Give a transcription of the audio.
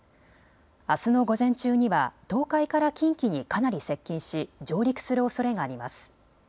あすの午前中には東海から近畿にかなり接近し上陸するおそれがあります。